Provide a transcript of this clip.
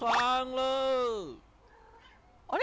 あれ？